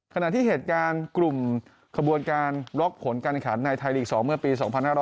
ขณะที่เหตุการณ์กลุ่มขบวนการล็อกผลการขันในไทยลีก๒เมื่อปี๒๕๖๐